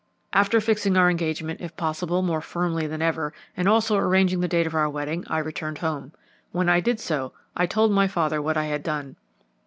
"After fixing our engagement, if possible, more firmly than ever, and also arranging the date of our wedding, I returned home. When I did so I told my father what I had done.